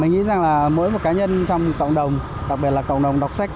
mình nghĩ rằng là mỗi một cá nhân trong cộng đồng đặc biệt là cộng đồng đọc sách